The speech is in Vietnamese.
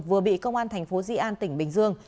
vừa bị công an tp di an tỉnh bình dương